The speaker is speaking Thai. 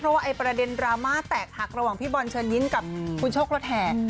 เพราะประเด็นดราม่าแตกหักระหว่างพีบอลเชิญยินกับคุณโฉกแล้วแถง